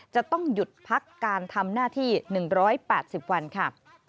จะต้องหยุดพักการทำหน้าที่๑๘๐วันค่ะ